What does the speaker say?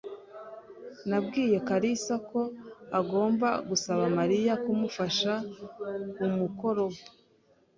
Nabwiye kalisa ko agomba gusaba Mariya kumufasha kumukoro we.